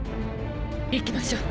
行きましょう。